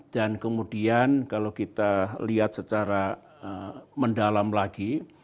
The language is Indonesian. dan kemudian kalau kita lihat secara mendalam lagi